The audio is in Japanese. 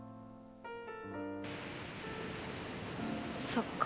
そっか。